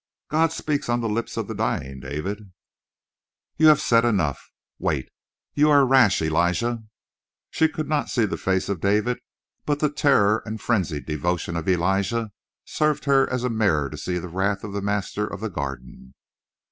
"God speaks on the lips of the dying, David." "You have said enough." "Wait!" "You are rash, Elijah." She could not see the face of David, but the terror and frenzied devotion of Elijah served her as mirror to see the wrath of the master of the Garden.